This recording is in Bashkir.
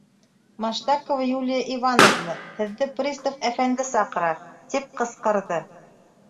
— Маштакова Юлия Ивановна, һеҙҙе пристав әфәнде саҡыра! — тип ҡысҡырҙы.